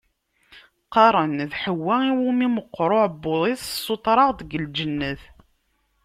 Qqaren d Ḥewwa iwumi meqqer aɛebbuḍ-is tessuṭer-aɣ-d seg lǧenna.